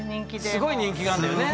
すごい人気があんだよね？